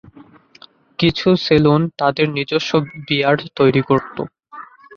কিছু সেলুন তাদের নিজস্ব বিয়ার তৈরি করত।